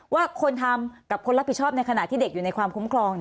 ว่าคนทำกับคนรับผิดชอบในขณะที่เด็กอยู่ในความคุ้มครอง